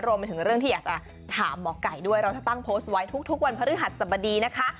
รวมไปถึงเรื่องที่อยากจะถามหมอไก่ด้วยเราจะตั้งโพสต์ไว้ทุกวันพฤหัสสบดีนะคะ